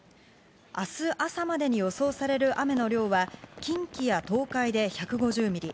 明日朝までに予想される雨の量は、近畿や東海で１５０ミリ。